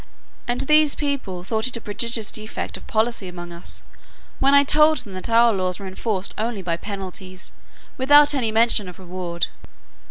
And these people thought it a prodigious defect of policy among us, when I told them that our laws were enforced only by penalties, without any mention of reward.